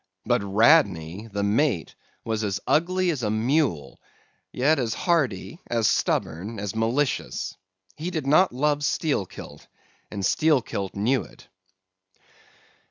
But Radney, the mate, was ugly as a mule; yet as hardy, as stubborn, as malicious. He did not love Steelkilt, and Steelkilt knew it.